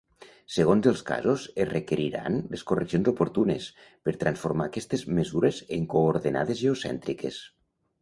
Segons els casos es requeriran les correccions oportunes, per transformar aquestes mesures en coordenades geocèntriques.